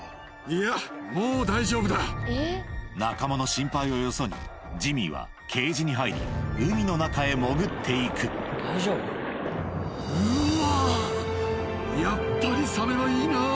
仲間の心配をよそにジミーはケージに入り海の中へ潜っていくうわ。